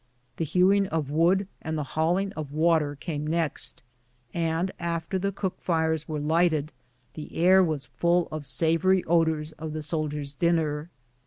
The hewing of wood and the hauling of water came next, and after the cook fires were lighted, the air was full of savory odors of the soldiers' dinner.